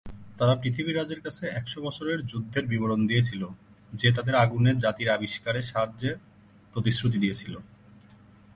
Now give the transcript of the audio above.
তারা পৃথিবী রাজের কাছে একশো বছরের যুদ্ধের বিবরণ দিয়েছিল, যে তাদের আগুনে জাতির আবিষ্কারে সাহায্যের প্রতিশ্রুতি দিয়েছিল।